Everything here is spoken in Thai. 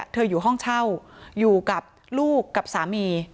อยู่ห้องเช่าอยู่กับลูกกับสามี